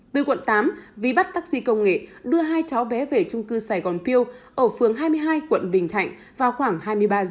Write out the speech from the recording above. từ quận tám vi bắt taxi công nghệ đưa hai cháu bé về chung cư sài gòn pew ở phương hai mươi hai quận bình thạnh vào khoảng hai mươi ba h